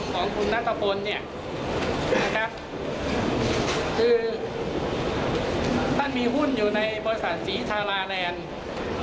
ของคุณนัทพลเนี่ยนะครับคือท่านมีหุ้นอยู่ในบริษัทศรีธาราแลนด์